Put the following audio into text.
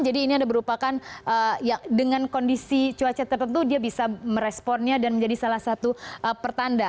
jadi ini ada berupakan dengan kondisi cuaca tertentu dia bisa meresponnya dan menjadi salah satu pertanda